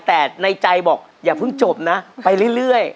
แต่ในใจบอกอย่าเพิ่งจบนะไปเรื่อย